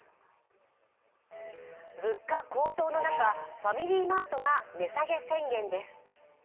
物価高騰の中ファミリーマートが値下げ宣言です。